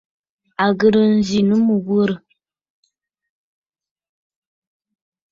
À ghɨ̀rə nzì nɨ mɨ̀ghurə̀.